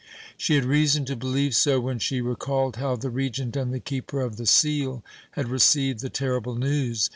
She had reason to believe so when she recalled how the Regent and the Keeper of the Seal had received the terrible news.